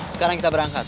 sekarang kita berangkat